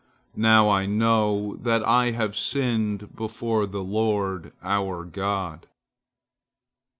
Now I know that I have sinned before the Lord our God."